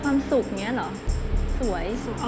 ความสุขเนี่ยเหรอสวย